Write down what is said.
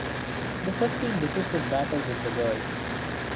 THE FIFTEEN DECISIVE BATTLES OF THE WORLD.